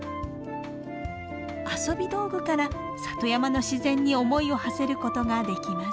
遊び道具から里山の自然に思いをはせることができます。